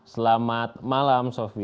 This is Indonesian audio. selamat malam sofi